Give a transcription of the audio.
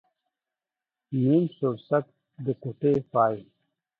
نيم سوړسک ، د کوټې پاى.